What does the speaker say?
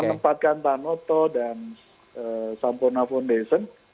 menempatkan tanoto dan sampurna foundation